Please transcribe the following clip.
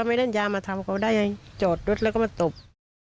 ถ้าไปเล่นยามาทำกับเขาก็ได้เนี่ยโจทย์รุ่นแล้วก็มาตบ